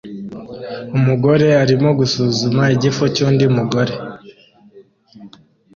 umugore arimo gusuzuma igifu cy'undi mugore